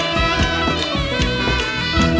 กลับไปที่นี่